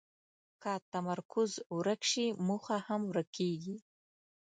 که تمرکز ورک شي، موخه هم ورکېږي.